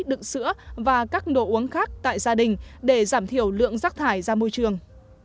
đựng sữa và các đồ uống khác tại gia đình để giảm thiểu lượng rác thải ra môi trường